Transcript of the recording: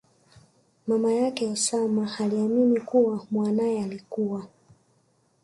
mama yake Osama aliamini kuwa mwanaye alikua